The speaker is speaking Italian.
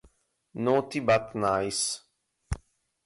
Naughty but Nice